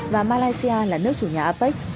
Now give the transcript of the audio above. và malaysia là nước chủ nhà apec